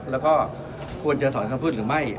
แล้วก็ควรจะถอนคำพูดหรือไม่